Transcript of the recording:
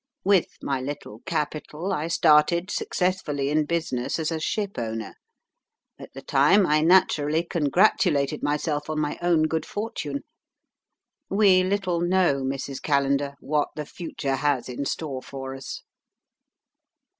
With my little capital I started successfully in business as a ship owner. At the time I naturally congratulated myself on my own good fortune. We little know, Mrs. Callender, what the future has in store for us."